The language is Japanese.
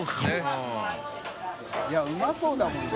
いうまそうだもんね。